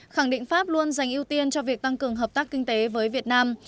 khẳng định pháp luôn dành ưu tiên cho việc tăng cường hợp tác kinh tế với việt nam